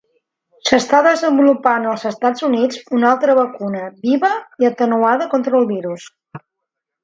S'està desenvolupant als Estats Units una altra vacuna viva i atenuada contra el virus.